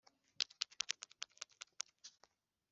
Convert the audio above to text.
Rigena uburyo bwo kubungabunga